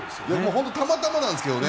本当にたまたまなんですけど。